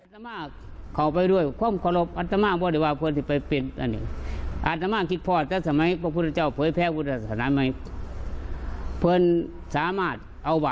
ท่านบอกว่าคงไม่ผิดอะไรนะครับ